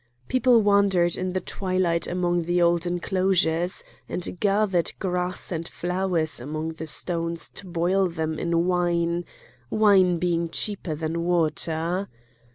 People wandered in the twilight along the old enclosures, and gathered grass and flowers among the stones to boil them in wine, wine being cheaper than water.